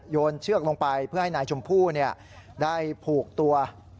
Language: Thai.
นเชือกลงไปเพื่อให้นายชมพู่ได้ผูกตัว